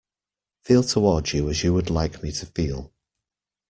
Feel towards you as you would like me to feel.